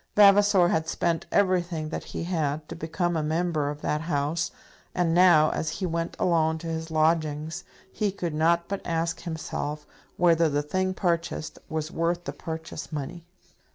Vavasor had spent everything that he had to become a Member of that House, and now, as he went alone to his lodgings, he could not but ask himself whether the thing purchased was worth the purchase money.